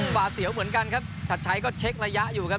กว่าเสียวเหมือนกันครับถาดใช้ก็ระยะอยู่ครับ